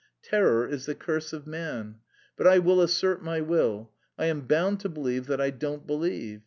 Terror is the curse of man.... But I will assert my will, I am bound to believe that I don't believe.